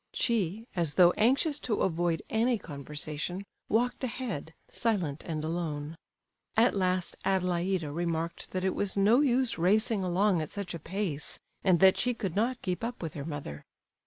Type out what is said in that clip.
She, as though anxious to avoid any conversation, walked ahead, silent and alone. At last Adelaida remarked that it was no use racing along at such a pace, and that she could not keep up with her mother.